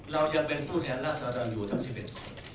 เราจะเป็นผู้แทนรัฐสวรรค์อยู่ทั้ง๑๑คน